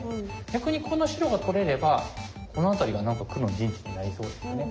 逆にこの白が取れればこの辺りがなんか黒の陣地になりそうですよね。